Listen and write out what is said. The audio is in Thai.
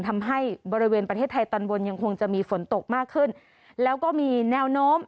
ทำให้บริเวณประเทศไทยตอนบนยังคงจะมีฝนตกมากขึ้นแล้วก็มีแนวโน้ม